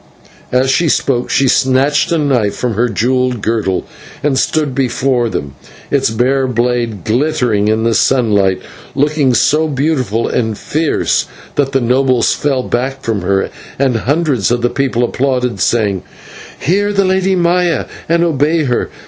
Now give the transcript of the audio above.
As she spoke she snatched a knife from her jewelled girdle, and stood before them, its bare blade glittering in the sunlight, looking so beautiful and fierce that the nobles fell back from her, and hundreds of the people applauded, saying: "Hear the Lady Maya, and obey her.